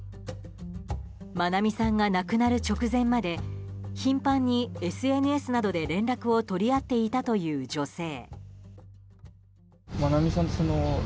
愛美さんが亡くなる直前まで頻繁にＳＮＳなどで連絡を取り合っていたという女性。